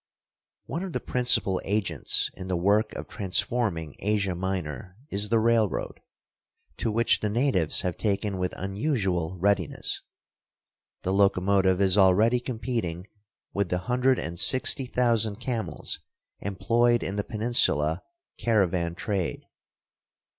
ia92 STAT UTE MILES $" l^M'M [51 One of the principal agents in the work of transforming Asia Minor is the railroad, to which the natives have taken with unusual readiness. The locomotive is already competing with the hundred and sixty thousand camels employed in the peninsula caravan trade.